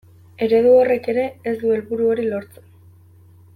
Eredu horrek ere ez du helburu hori lortzen.